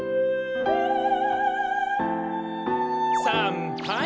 さんはい！